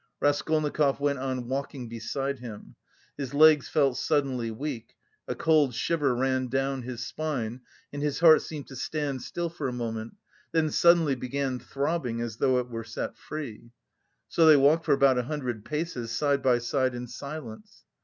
Raskolnikov went on walking beside him. His legs felt suddenly weak, a cold shiver ran down his spine, and his heart seemed to stand still for a moment, then suddenly began throbbing as though it were set free. So they walked for about a hundred paces, side by side in silence.